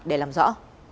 để làm rõ